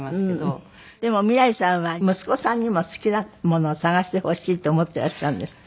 でも未來さんは息子さんにも好きなものを探してほしいと思ってらっしゃるんですって？